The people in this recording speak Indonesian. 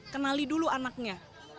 kenali dulu anaknya